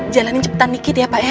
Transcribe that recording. jalanin cepetan dikit ya pak ya